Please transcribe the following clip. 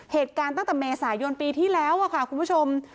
เหตุการณ์ตั้งแต่เมษายนปีที่แล้วค่ะคุณผู้ชม